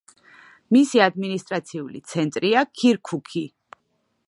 მისი ადმინისტრაციული ცენტრია ქირქუქი.